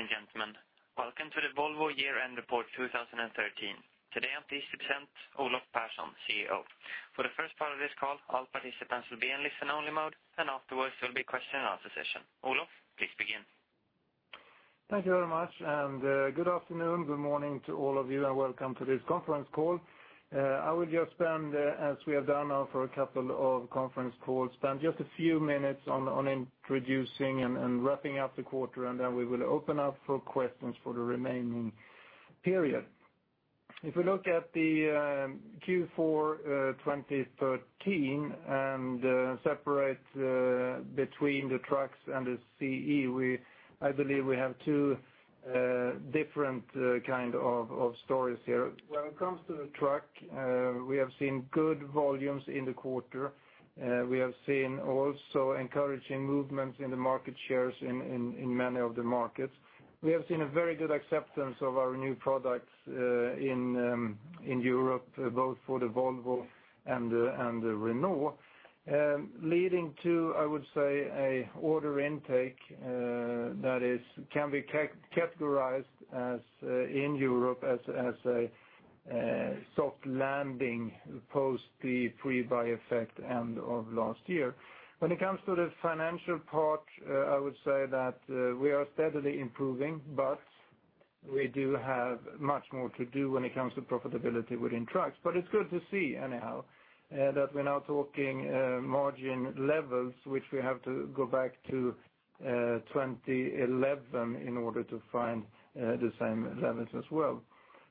Ladies and gentlemen, welcome to the Volvo year-end report 2013. Today, I'm pleased to present Olof Persson, CEO. For the first part of this call, all participants will be in listen-only mode. Afterwards, there will be a question and answer session. Olof, please begin. Thank you very much. Good afternoon, good morning to all of you, and welcome to this conference call. I will just spend, as we have done now for a couple of conference calls, spend just a few minutes on introducing and wrapping up the quarter. Then we will open up for questions for the remaining period. If we look at the Q4 2013 and separate between the trucks and the CE, I believe we have two different kind of stories here. When it comes to the truck, we have seen good volumes in the quarter. We have seen also encouraging movements in the market shares in many of the markets. We have seen a very good acceptance of our new products in Europe, both for the Volvo and the Renault, leading to, I would say, an order intake that can be categorized in Europe as a soft landing post the pre-buy effect end of last year. When it comes to the financial part, I would say that we are steadily improving. We do have much more to do when it comes to profitability within trucks. It's good to see anyhow, that we're now talking margin levels, which we have to go back to 2011 in order to find the same levels as well.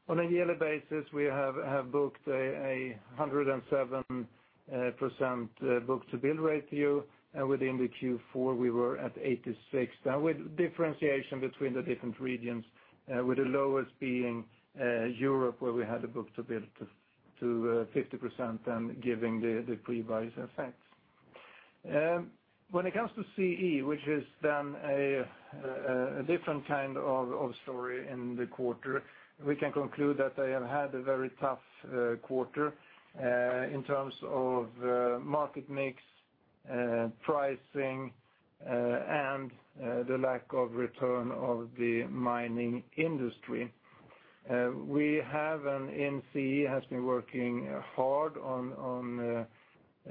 On a yearly basis, we have booked a 107% book-to-bill ratio. Within the Q4, we were at 86%. With differentiation between the different regions, with the lowest being Europe, where we had a book-to-bill to 50% giving the pre-buy effects. When it comes to CE, which has been a different kind of story in the quarter, we can conclude that they have had a very tough quarter in terms of market mix, pricing, and the lack of return of the mining industry. CE has been working hard on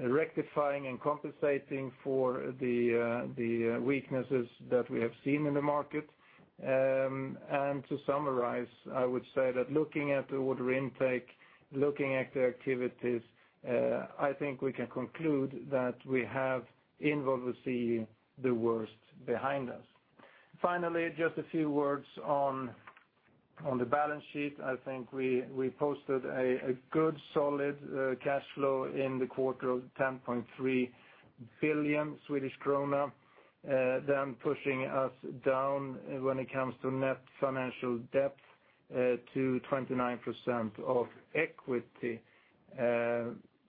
rectifying and compensating for the weaknesses that we have seen in the market. To summarize, I would say that looking at the order intake, looking at the activities, I think we can conclude that we have, in Volvo CE, the worst behind us. Finally, just a few words on the balance sheet. I think we posted a good, solid cash flow in the quarter of 10.3 billion Swedish krona, pushing us down when it comes to net financial debt to 29% of equity.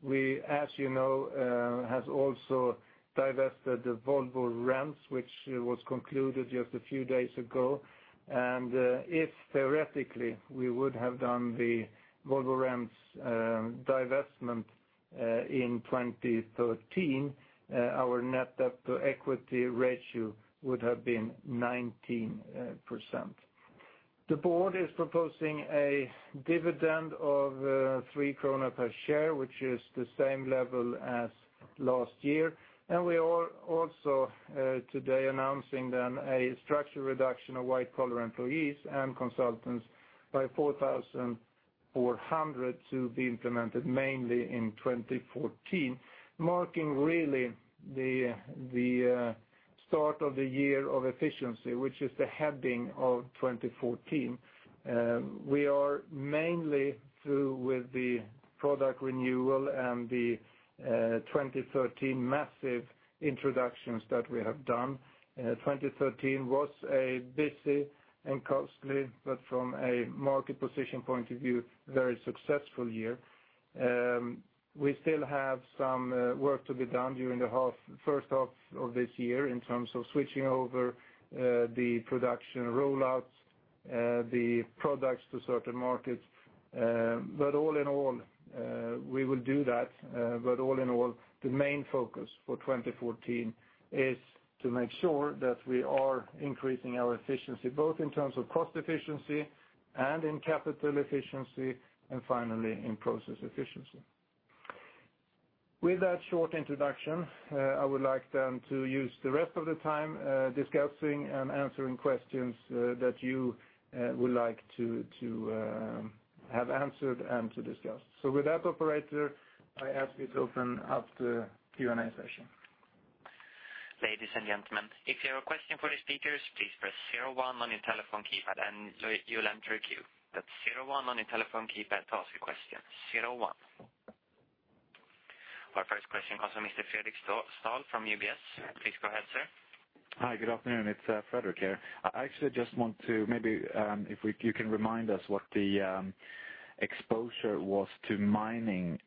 We, as you know, have also divested the Volvo Rents, which was concluded just a few days ago. If theoretically we would have done the Volvo Rents divestment in 2013, our net debt to equity ratio would have been 19%. The board is proposing a dividend of 3 krona per share, which is the same level as last year. We are also today announcing a structural reduction of white-collar employees and consultants by 4,400 to be implemented mainly in 2014, marking really the start of the year of efficiency, which is the heading of 2014. We are mainly through with the product renewal and the 2013 massive introductions that we have done. 2013 was a busy and costly, but from a market position point of view, very successful year. We still have some work to be done during the first half of this year in terms of switching over the production rollouts, the products to certain markets. All in all, we will do that. All in all, the main focus for 2014 is to make sure that we are increasing our efficiency, both in terms of cost efficiency and in capital efficiency, and finally, in process efficiency. With that short introduction, I would like then to use the rest of the time discussing and answering questions that you would like to have answered and to discuss. With that, operator, I ask you to open up the Q&A session. Ladies and gentlemen, if you have a question for the speakers, please press zero one on your telephone keypad and you'll enter a queue. That's zero one on your telephone keypad to ask a question, zero one. Our first question comes from Mr. Fredric Stahl from UBS. Please go ahead, sir. Hi, good afternoon. It's Fredric here. I actually just want to maybe if you can remind us what the exposure was to the mining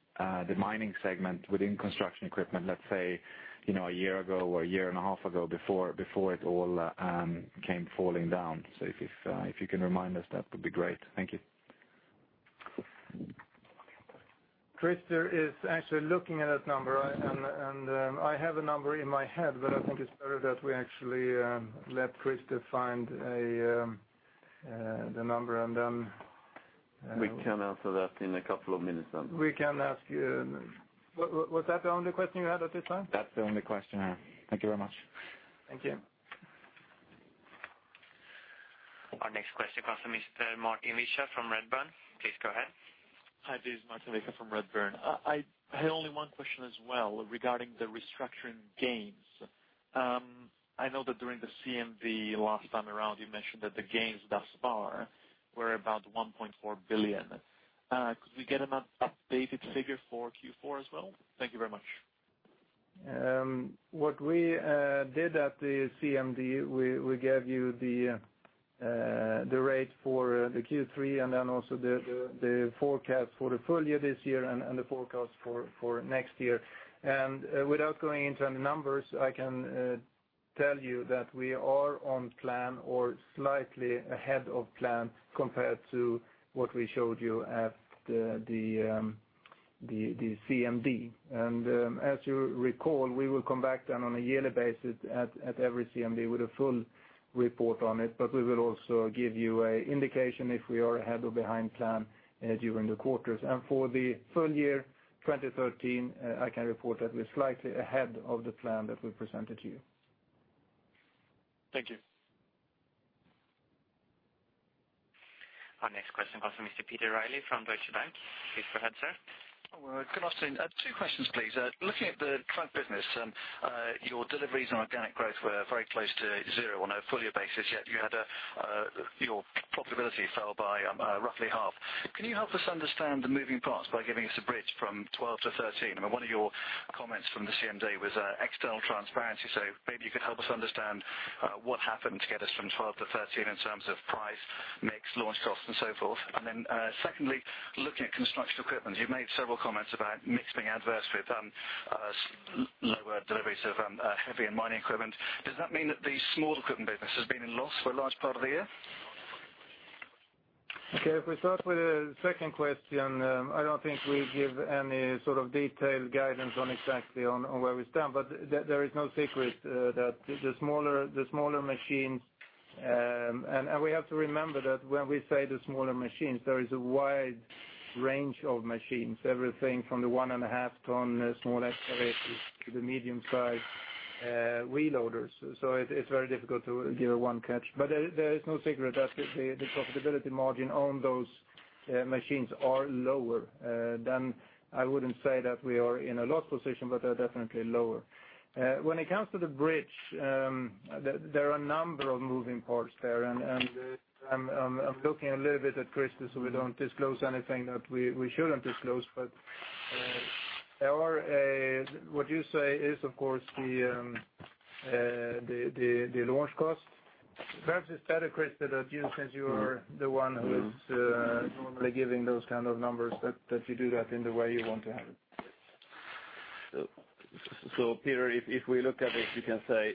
segment within construction equipment, let's say, a year ago or a year and a half ago, before it all came falling down. If you can remind us, that would be great. Thank you. Christer is actually looking at that number. I have a number in my head, but I think it's better that we actually let Christer find the number. We can answer that in a couple of minutes then. We can ask. Was that the only question you had at this time? That's the only question I have. Thank you very much. Thank you. Our next question comes from Mr. Martin Viecha from Redburn. Please go ahead. Hi, this is Martin Viecha from Redburn. I had only one question as well regarding the restructuring gains. I know that during the CMD last time around, you mentioned that the gains thus far were about 1.4 billion. Could we get an updated figure for Q4 as well? Thank you very much. What we did at the CMD, we gave you the rate for the Q3 and then also the forecast for the full year this year and the forecast for next year. Without going into any numbers, I can tell you that we are on plan or slightly ahead of plan compared to what we showed you at the CMD. As you recall, we will come back then on a yearly basis at every CMD with a full report on it. We will also give you an indication if we are ahead or behind plan during the quarters. For the full year 2013, I can report that we're slightly ahead of the plan that we presented to you. Thank you. Our next question comes from Mr. Peter Reilly from Deutsche Bank. Please go ahead, sir. Good afternoon. Two questions, please. Looking at the truck business, your deliveries and organic growth were very close to zero on a full year basis, yet your profitability fell by roughly half. Can you help us understand the moving parts by giving us a bridge from 2012 to 2013? One of your comments from the CMD was external transparency, maybe you could help us understand what happened to get us from 2012 to 2013 in terms of price, mix, launch costs, and so forth. Secondly, looking at construction equipment, you've made several comments about mix being adverse with lower deliveries of heavy and mining equipment. Does that mean that the small equipment business has been in loss for a large part of the year? Okay. If we start with the second question, I don't think we give any sort of detailed guidance on exactly on where we stand. There is no secret that the smaller machines, and we have to remember that when we say the smaller machines, there is a wide range of machines. Everything from the one and a half ton small excavators to the medium-sized reloaders. It's very difficult to give a one catch. There is no secret that the profitability margin on those machines are lower than, I wouldn't say that we are in a loss position, but they're definitely lower. When it comes to the bridge, there are a number of moving parts there, I'm looking a little bit at Christer, we don't disclose anything that we shouldn't disclose. What you say is, of course, the launch cost. Perhaps it's better, Christer, that you, since you are the one who is normally giving those kind of numbers, that you do that in the way you want to have it. Peter, if we look at it, you can say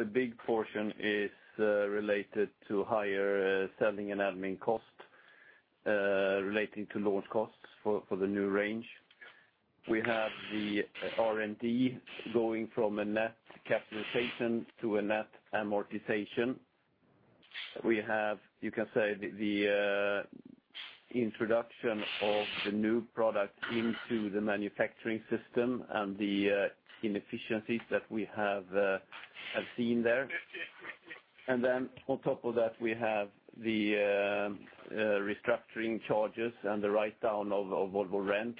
a big portion is related to higher selling and admin costs, relating to launch costs for the new range. We have the R&D going from a net capitalization to a net amortization. We have, you can say, the introduction of the new product into the manufacturing system and the inefficiencies that we have seen there. Then on top of that, we have the restructuring charges and the write-down of Volvo Rents.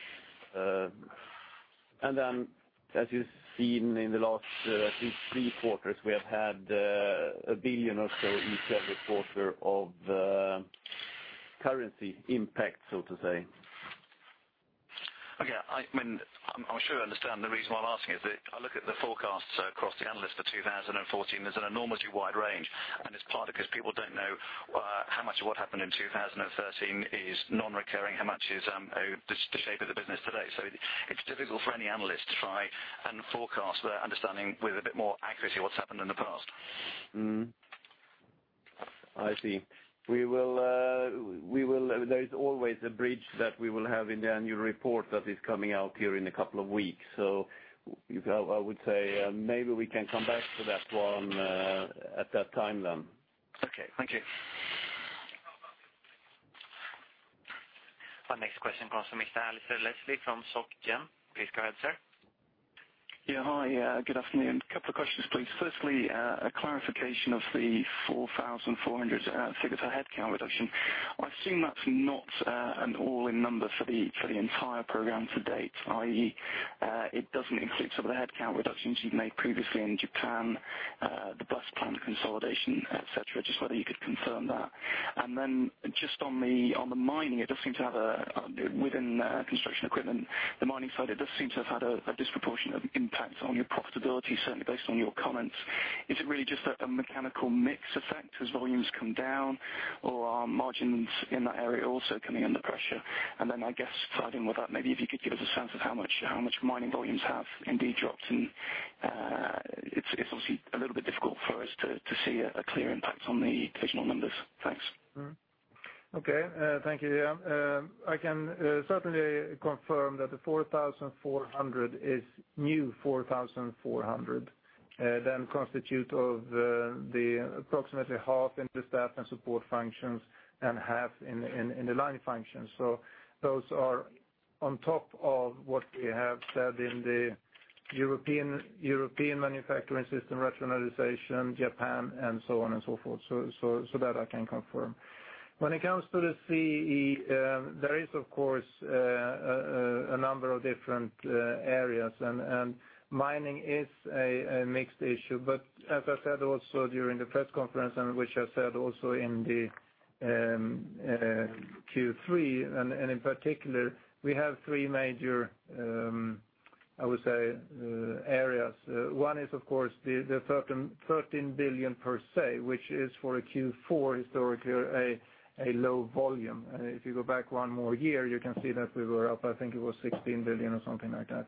Then, as you've seen in the last at least three quarters, we have had 1 billion or so each every quarter of currency impact, so to say. Okay. I'm sure I understand. The reason why I'm asking is that I look at the forecasts across the analysts for 2014. There's an enormously wide range, and it's partly because people don't know how much of what happened in 2013 is non-recurring, how much is the shape of the business today. It's difficult for any analyst to try and forecast their understanding with a bit more accuracy what's happened in the past. Mm-hmm. I see. There is always a bridge that we will have in the annual report that is coming out here in a couple of weeks. I would say maybe we can come back to that one at that time then. Okay. Thank you. Our next question comes from Mr. Alistair Wallace from Société Générale. Please go ahead, sir. Hi. Good afternoon. A couple of questions, please. Firstly, a clarification of the 4,400 figure to headcount reduction. I assume that's not an all-in number for the entire program to date, i.e., it doesn't include some of the headcount reductions you've made previously in Japan, the bus plan consolidation, et cetera. Just whether you could confirm that. Just on the mining, it does seem to have a, within construction equipment, the mining side, it does seem to have had a disproportionate impact on your profitability, certainly based on your comments. Is it really just a mechanical mix effect as volumes come down, or are margins in that area also coming under pressure? I guess tied in with that, maybe if you could give us a sense of how much mining volumes have indeed dropped, and it's obviously a little bit difficult for us to see a clear impact on the divisional numbers. Thanks. Okay. Thank you. I can certainly confirm that the 4,400 is new 4,400, then constitute of the approximately half in the staff and support functions and half in the line functions. Those are on top of what we have said in the European manufacturing system, rationalization, Japan, and so on and so forth. That I can confirm. When it comes to the CE, there is, of course, a number of different areas, and mining is a mixed issue. As I said also during the press conference, and which I said also in the Q3, and in particular, we have three major, I would say, areas. One is, of course, the 13 billion per se, which is for a Q4, historically, a low volume. If you go back one more year, you can see that we were up, I think it was 16 billion or something like that.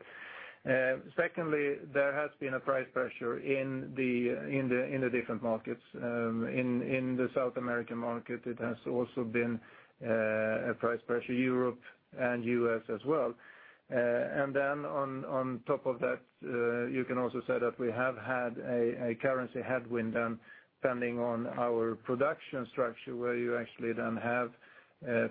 Secondly, there has been a price pressure in the different markets. In the South American market, it has also been a price pressure, Europe and U.S. as well. On top of that, you can also say that we have had a currency headwind depending on our production structure, where you actually then have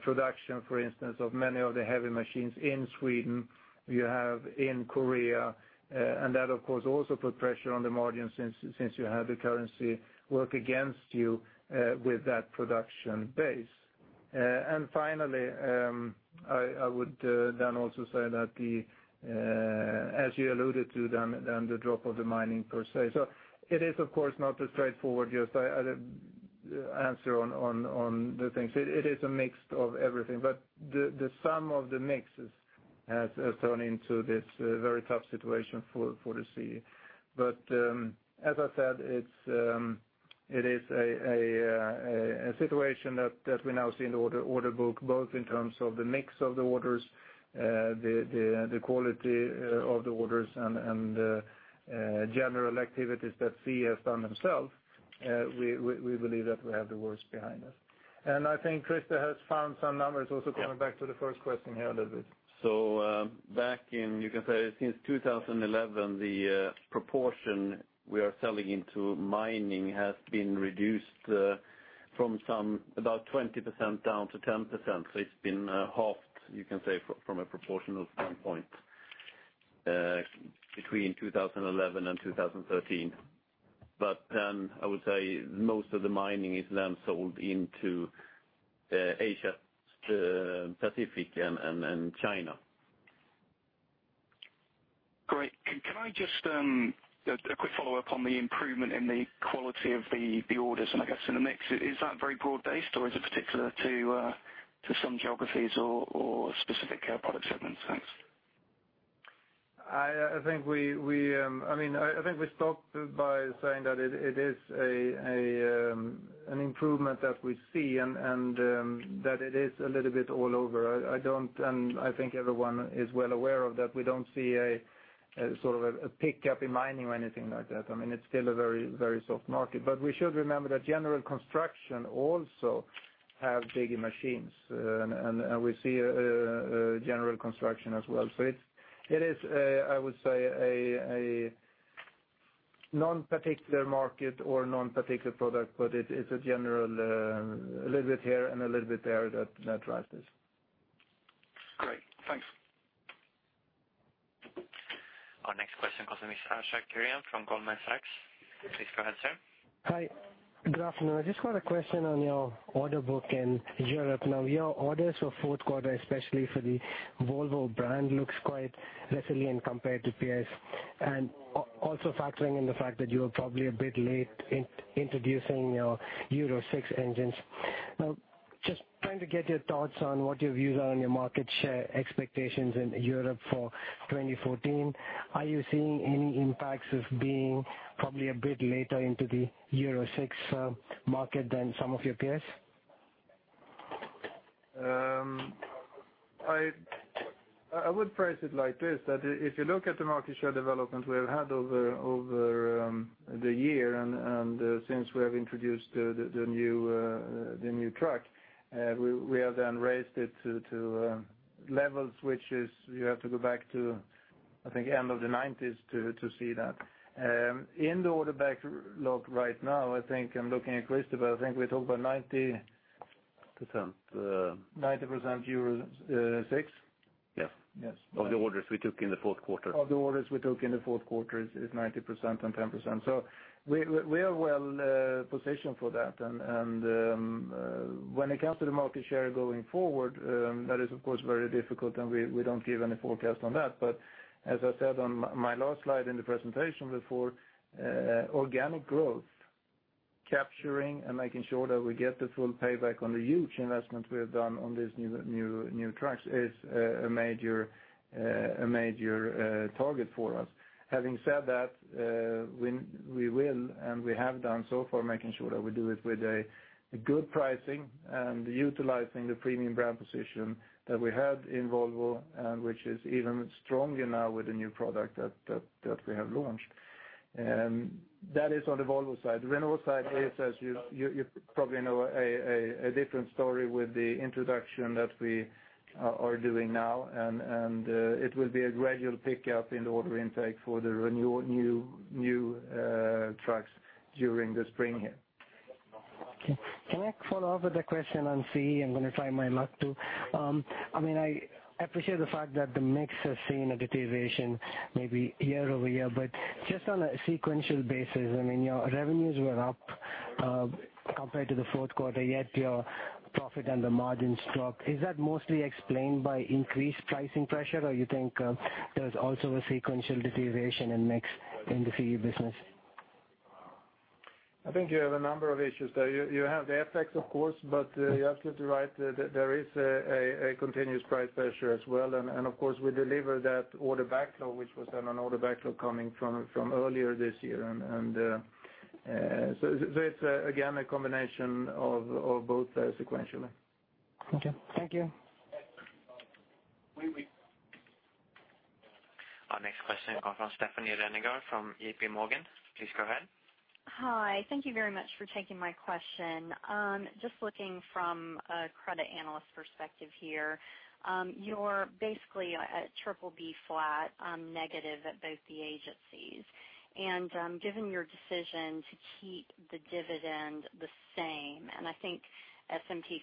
production, for instance, of many of the heavy machines in Sweden, you have in Korea. That, of course, also put pressure on the margin since you have the currency work against you with that production base. Finally, I would then also say that the, as you alluded to, then the drop of the mining per se. It is, of course, not a straightforward answer on the things. It is a mix of everything, but the sum of the mixes has turned into this very tough situation for the CE. As I said, it is a situation that we now see in the order book, both in terms of the mix of the orders, the quality of the orders, and the general activities that CE has done themselves. We believe that we have the worst behind us. I think Christer has found some numbers also coming back to the first question here a little bit. Back in, you can say since 2011, the proportion we are selling into mining has been reduced from about 20% down to 10%. It's been halved, you can say, from a proportional standpoint, between 2011 and 2013. I would say most of the mining is then sold into Asia, Pacific, and China. Great. Can I just, a quick follow-up on the improvement in the quality of the orders, and I guess in the mix. Is that very broad-based, or is it particular to some geographies or specific product segments? Thanks. I think we start by saying that it is an improvement that we see, and that it is a little bit all over. I think everyone is well aware of that. We don't see a sort of a pickup in mining or anything like that. It's still a very soft market. We should remember that general construction also have big machines, and we see general construction as well. It is, I would say, a non-particular market or non-particular product, but it is a general, a little bit here and a little bit there that drives this. Great. Thanks. Our next question comes from Ashik Kurian from Goldman Sachs. Please go ahead, sir. Hi. Good afternoon. I just got a question on your order book in Europe. Your orders for fourth quarter, especially for the Volvo brand, looks quite resilient compared to peers. Also factoring in the fact that you are probably a bit late in introducing your Euro 6 engines. Just trying to get your thoughts on what your views are on your market share expectations in Europe for 2014. Are you seeing any impacts of being probably a bit later into the Euro 6 market than some of your peers? I would phrase it like this, that if you look at the market share development we have had over the year, since we have introduced the new truck, we have then raised it to levels which is, you have to go back to, I think, end of the '90s to see that. In the order backlog right now, I think I'm looking at Christer, but I think we talk about 90% Euro 6? Yes. Yes. Of the orders we took in the fourth quarter. Of the orders we took in the fourth quarter is 90% and 10%. We are well positioned for that. When it comes to the market share going forward, that is, of course, very difficult, and we don't give any forecast on that. As I said on my last slide in the presentation before, organic growth, capturing and making sure that we get the full payback on the huge investment we have done on these new trucks is a major target for us. Having said that, we will, and we have done so far, making sure that we do it with a good pricing and utilizing the premium brand position that we had in Volvo, and which is even stronger now with the new product that we have launched. That is on the Volvo side. The Renault side is, as you probably know, a different story with the introduction that we are doing now. It will be a gradual pickup in the order intake for the Renault new trucks during the spring here. Okay. Can I follow up with a question on CE? I'm going to try my luck too. I appreciate the fact that the mix has seen a deterioration maybe year-over-year. Just on a sequential basis, your revenues were up compared to the fourth quarter, yet your profit and the margins dropped. Is that mostly explained by increased pricing pressure, or you think there's also a sequential deterioration in mix in the CE business? I think you have a number of issues there. You have the FX, of course, but you're absolutely right. There is a continuous price pressure as well. Of course, we deliver that order backlog, which was an order backlog coming from earlier this year. It's, again, a combination of both sequentially. Okay. Thank you. Our next question comes from Stephanie Renegar from J.P. Morgan. Please go ahead. Hi. Thank you very much for taking my question. Just looking from a credit analyst perspective here. You're basically a BBB- flat negative at both the agencies. Given your decision to keep the dividend the same, I think S&P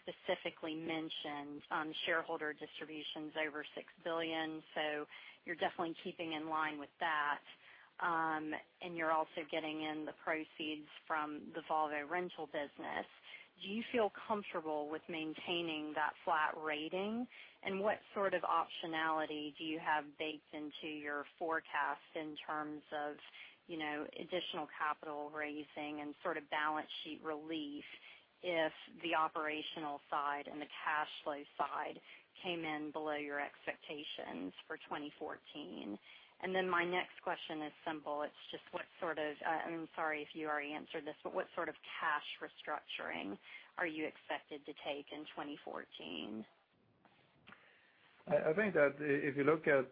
specifically mentioned shareholder distributions over 6 billion, so you're definitely keeping in line with that. You're also getting in the proceeds from the Volvo Rents business. Do you feel comfortable with maintaining that flat rating? What sort of optionality do you have baked into your forecast in terms of additional capital raising and sort of balance sheet relief if the operational side and the cash flow side came in below your expectations for 2014? My next question is simple. It's just what sort of, I'm sorry if you already answered this, what sort of cash restructuring are you expected to take in 2014? I think that if you look at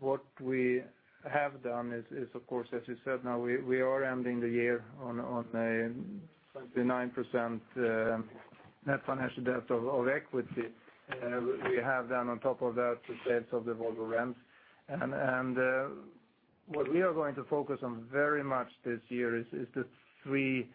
what we have done is, of course, as you said, now we are ending the year on a 29% net financial debt of equity. We have then on top of that the sales of the Volvo Rents. What we are going to focus on very much this year is the three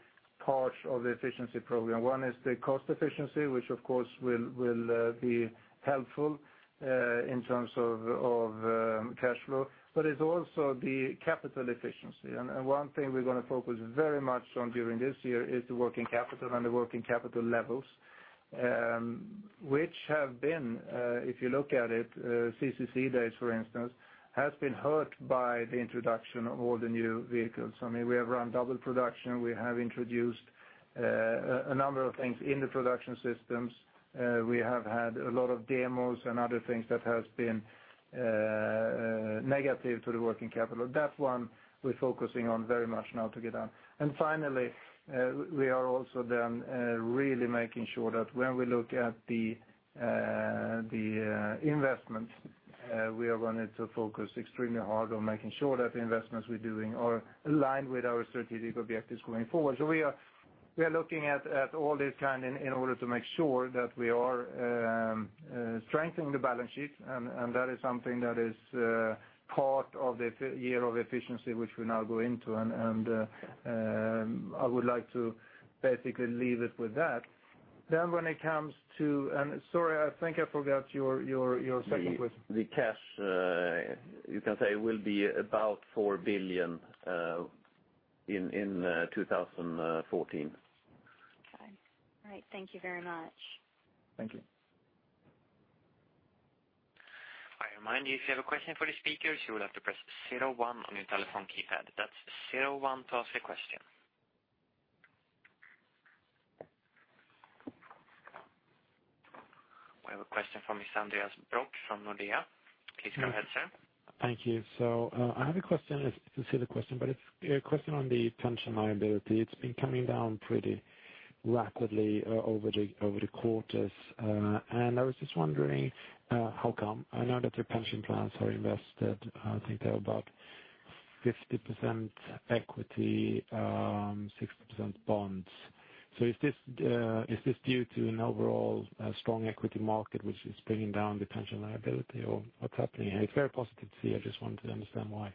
parts of the efficiency program. One is the cost efficiency, which of course will be helpful in terms of cash flow. It's also the capital efficiency. One thing we're going to focus very much on during this year is the working capital and the working capital levels, which have been, if you look at it, CCC days, for instance, has been hurt by the introduction of all the new vehicles. I mean, we have run double production. We have introduced a number of things in the production systems. We have had a lot of demos and other things that has been negative to the working capital. That one we're focusing on very much now to get down. Finally, we are also then really making sure that when we look at the investments, we are going to focus extremely hard on making sure that the investments we're doing are aligned with our strategic objectives going forward. We are looking at all this kind in order to make sure that we are strengthening the balance sheet, and that is something that is part of the year of efficiency, which we now go into, and I would like to basically leave it with that. When it comes to-- Sorry, I think I forgot your second question. The cash, you can say, will be about 4 billion in 2014. Okay. All right. Thank you very much. Thank you. I remind you, if you have a question for the speakers, you will have to press 01 on your telephone keypad. That's 01 to ask a question. We have a question from Mr. Andreas Brock from Nordea. Please go ahead, sir. Thank you. I have a question, a specific question, it's a question on the pension liability. It's been coming down pretty rapidly over the quarters. I was just wondering how come. I know that your pension plans are invested. I think they're about 50% equity, 60% bonds. Is this due to an overall strong equity market, which is bringing down the pension liability, or what's happening? It's very positive to see. I just wanted to understand why.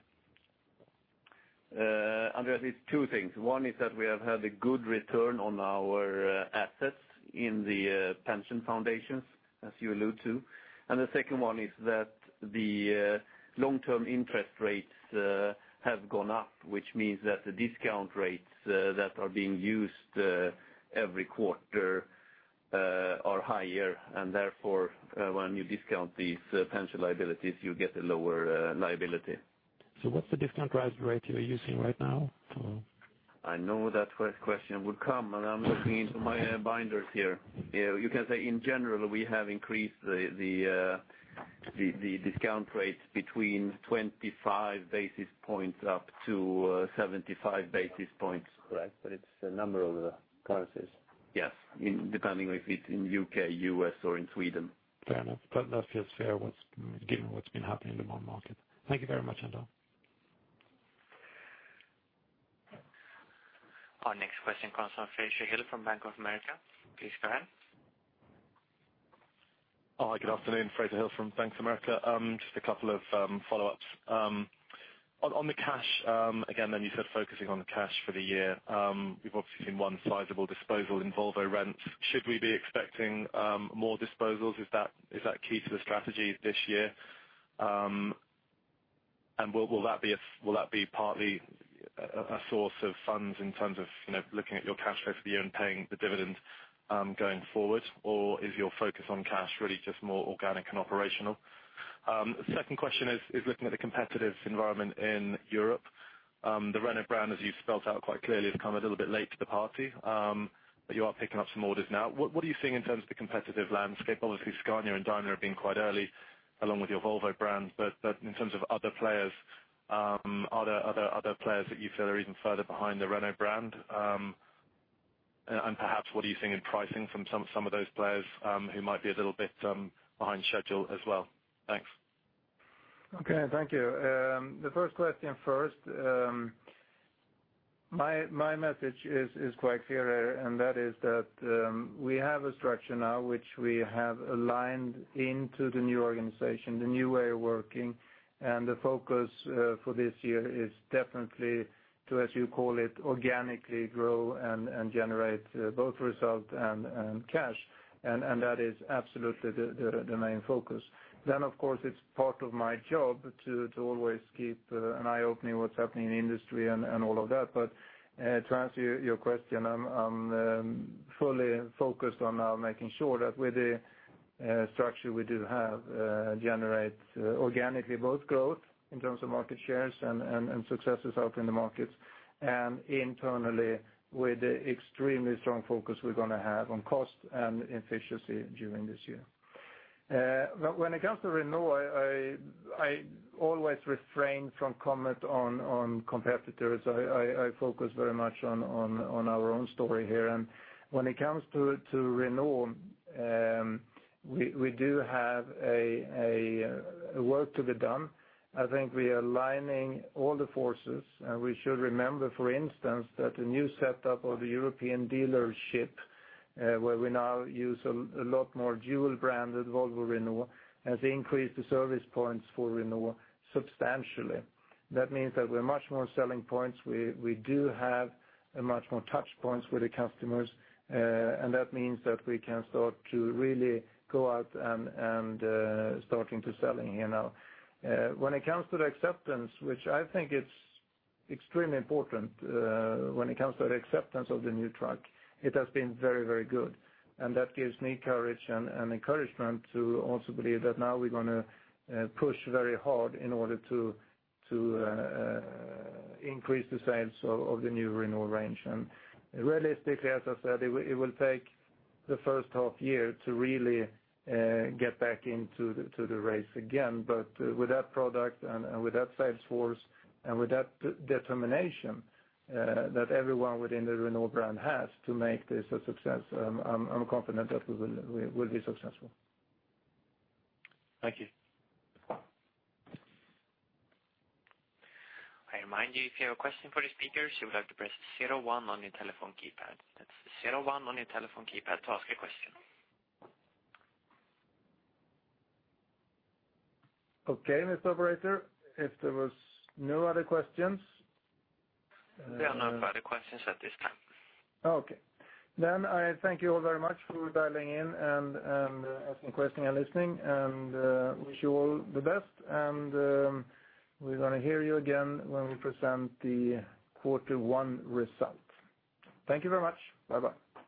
Andreas, it's two things. One is that we have had a good return on our assets in the pension foundations, as you allude to. The second one is that the long-term interest rates have gone up, which means that the discount rates that are being used every quarter are higher, and therefore, when you discount these pension liabilities, you get a lower liability. What's the discount rate you're using right now? I know that question would come. I'm looking into my binders here. You can say in general, we have increased the discount rates between 25 basis points up to 75 basis points. Correct. It's a number of currencies. Yes. Depending if it's in U.K., U.S., or in Sweden. Fair enough. That feels fair given what's been happening in the bond market. Thank you very much, Anders. Our next question comes from Fraser Hill from Bank of America. Please go ahead. Hi, good afternoon. Fraser Hill from Bank of America. Just a couple of follow-ups. On the cash, again, you said focusing on the cash for the year. We've obviously seen one sizable disposal in Volvo Rents. Should we be expecting more disposals? Is that key to the strategy this year? Will that be partly a source of funds in terms of looking at your cash flow for the year and paying the dividends going forward? Is your focus on cash really just more organic and operational? Second question is looking at the competitive environment in Europe. The Renault brand, as you've spelt out quite clearly, have come a little bit late to the party, but you are picking up some orders now. What are you seeing in terms of the competitive landscape? Obviously, Scania and Daimler have been quite early, along with your Volvo brand. In terms of other players, are there other players that you feel are even further behind the Renault brand? Perhaps what are you seeing in pricing from some of those players who might be a little bit behind schedule as well? Thanks. Okay, thank you. The first question first. My message is quite clear, that is that we have a structure now which we have aligned into the new organization, the new way of working, the focus for this year is definitely to, as you call it, organically grow and generate both result and cash. That is absolutely the main focus. Of course, it's part of my job to always keep an eye opening what's happening in the industry and all of that. To answer your question, I'm fully focused on now making sure that with the structure we do have, generate organically both growth in terms of market shares and successes out in the markets, internally with extremely strong focus we're going to have on cost and efficiency during this year. When it comes to Renault, I always refrain from comment on competitors. I focus very much on our own story here. When it comes to Renault, we do have work to be done. I think we are aligning all the forces, and we should remember, for instance, that the new setup of the European dealership where we now use a lot more dual branded Volvo Renault, has increased the service points for Renault substantially. That means that we're much more selling points. We do have a much more touch points with the customers, and that means that we can start to really go out and starting to selling here now. When it comes to the acceptance, which I think it's extremely important, when it comes to the acceptance of the new truck, it has been very good. That gives me courage and encouragement to also believe that now we're going to push very hard in order to increase the sales of the new Renault range. Realistically, as I said, it will take the first half year to really get back into the race again. With that product and with that sales force and with that determination that everyone within the Renault brand has to make this a success, I'm confident that we will be successful. Thank you. I remind you, if you have a question for the speakers, you would have to press zero one on your telephone keypad. That's zero one on your telephone keypad to ask a question. Okay, Mr. Operator, if there were no other questions. There are no further questions at this time. Okay. I thank you all very much for dialing in and asking questions and listening, and wish you all the best. We're going to hear you again when we present the quarter one results. Thank you very much. Bye-bye.